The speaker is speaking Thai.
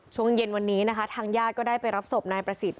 ช่วงเย็นวันนี้นะคะทางญาติก็ได้ไปรับศพนายประสิทธิ